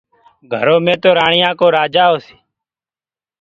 گھرو مي تو رآڻيآ ڪو رآجآ هوسي